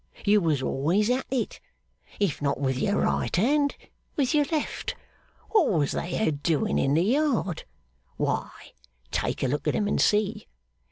You was always at it if not with your right hand, with your left. What was they a doing in the Yard? Why, take a look at 'em and see.